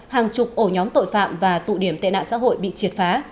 hàng chục ổ nhóm tội phạm và tụ điểm tệ nạn xã hội bị triệt phá